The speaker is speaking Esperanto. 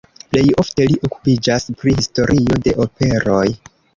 Plej ofte li okupiĝas pri historio de operoj.